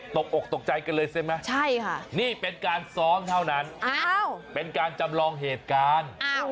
ตกอกตกใจกันเลยใช่ไหมใช่ค่ะนี่เป็นการซ้อมเท่านั้นเป็นการจำลองเหตุการณ์